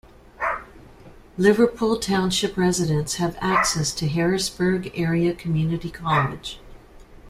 Liverpool Township residents have access to Harrisburg Area Community College.